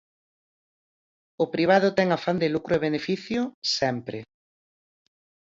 O privado ten afán de lucro e beneficio... sempre!